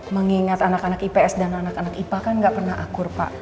mengingat anak anak ips dan anak anak ipa kan gak pernah akur pak